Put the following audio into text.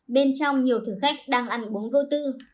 bên trong nhiều thử khách đang ăn uống vô tư